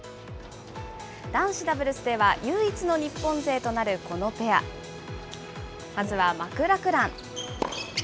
男子ダブルスでは唯一の日本勢となるこのペア、まずはマクラクラン。